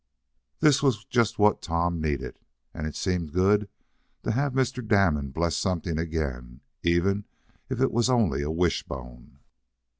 This was just what Tom needed, and it seemed good to have Mr. Damon bless something again, even if it was only a wishbone.